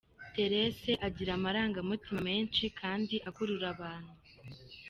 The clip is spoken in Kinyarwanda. Therese agira amarangamutima menshi kandi akurura abantu.